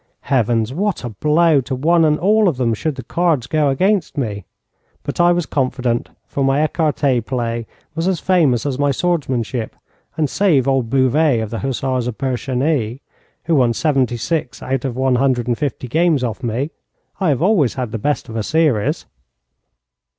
Heavens, what a blow to one and all of them should the cards go against me! But I was confident, for my écarté play was as famous as my swordsmanship, and save old Bouvet of the Hussars of Bercheny, who won seventy six out of one hundred and fifty games off me, I have always had the best of a series.